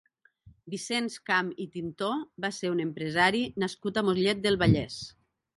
Vicenç Camp i Tintó va ser un empresari nascut a Mollet del Vallès.